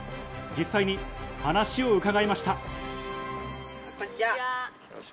実際に話を伺いました。